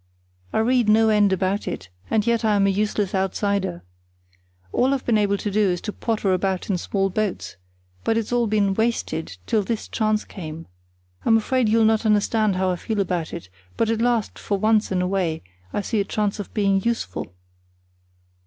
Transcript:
"I read no end about it, and yet I am a useless outsider. All I've been able to do is to potter about in small boats; but it's all been wasted till this chance came. I'm afraid you'll not understand how I feel about it; but at last, for once in a way, I see a chance of being useful."